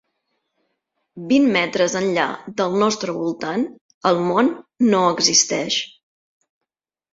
Vint metres enllà del nostre voltant el món no existeix.